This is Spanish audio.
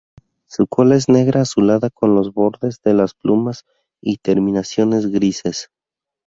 Su cola es negra azulada con los bordes de las plumas y terminaciones grises.